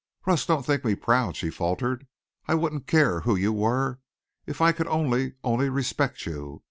"Russ, don't think me proud," she faltered. "I wouldn't care who you were if I could only only respect you.